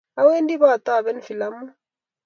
Awendi pataben filamu